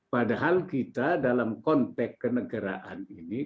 padahal kita dalam konteks kenegaraan ini